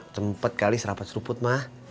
tempet kali serapat seleput mah